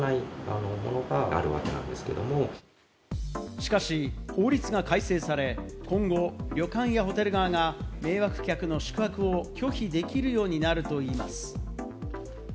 しかし法律が改正され、今後、旅館やホテル側が迷惑客の宿泊を拒否できるようになるといいます。